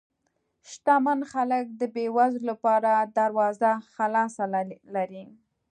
شتمن خلک د بې وزلو لپاره دروازه خلاصه لري.